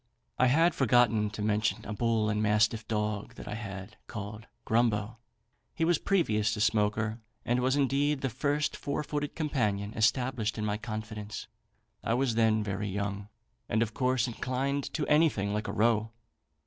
"I had forgotten to mention a bull and mastiff dog that I had, called Grumbo. He was previous to Smoaker, and was indeed the first four footed companion established in my confidence. I was then very young, and of course inclined to anything like a row.